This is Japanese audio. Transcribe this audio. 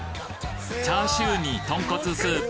チャーシューに豚骨スープ